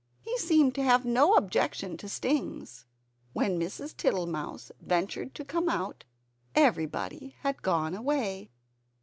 He seemed to have no objection to stings. When Mrs. Tittlemouse ventured to come out everybody had gone away.